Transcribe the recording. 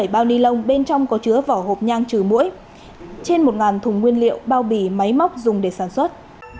hai hai trăm tám mươi bảy bao ni lông bên trong có chứa vỏ hộp nhang trừ mũi trên một thùng nguyên liệu bao bì máy móc dùng để sản xuất